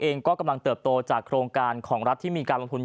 เองก็กำลังเติบโตจากโครงการของรัฐที่มีการลงทุน